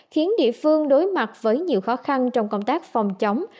khiến địa phương đối mặt với nhiều khó khăn trong công tác phòng chống